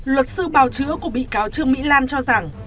luật sư bào chữa của bị cáo trương mỹ lan cho rằng